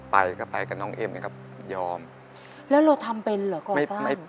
ไปก็ไปกับน้องเอ็มเนี่ยก็ยอมแล้วเราทำเป็นเหรอก่อน